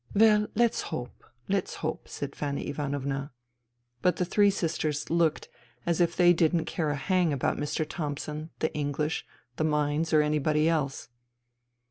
" Well, let's hope, let's hope," said Fanny Ivanovna. But the three sisters looked as if they didn't care a hang about Mr. Thomson, the English, the mines or anybody else.